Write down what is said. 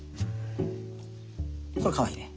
これかわいいね。